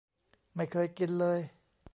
ไม่เคยกินเลย